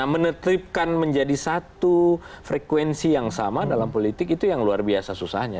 menetripkan menjadi satu frekuensi yang sama dalam politik itu yang luar biasa susahnya